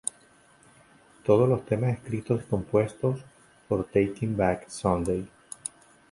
Todos los temas escritos y compuestos por Taking Back Sunday.